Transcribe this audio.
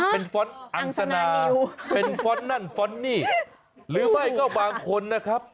เป็นฟอสอังสนาเป็นฟอสนั่นฟอนนี่หรือไม่ก็บางคนนะครับ